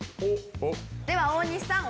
では大西さん